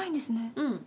うん。